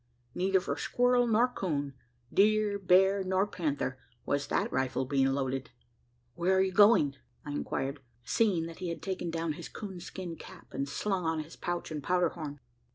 Neither for squirrel nor coon deer, bear, nor panther was that rifle being loaded! "Where are you going?" I inquired, seeing that he had taken down his coon skin cap, and slung on his pouch and powder horn.